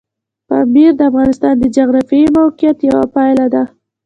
پامیر د افغانستان د جغرافیایي موقیعت یوه پایله ده.